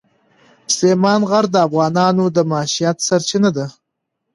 سلیمان غر د افغانانو د معیشت سرچینه ده.